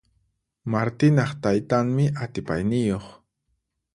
Martinaq taytanmi atipayniyuq.